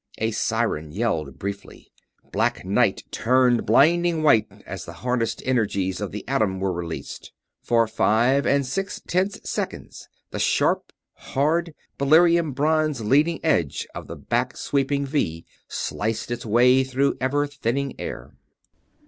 A siren yelled briefly. Black night turned blinding white as the harnessed energies of the atom were released. For five and six tenths seconds the sharp, hard, beryllium bronze leading edge of the back sweeping V sliced its way through ever thinning air.